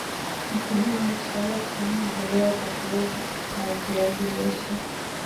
mkulima anashauriwa kutumia mbolea kwa kukuza wa viazi lishe